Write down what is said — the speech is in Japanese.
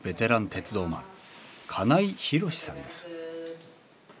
鉄道マン金井浩志さんです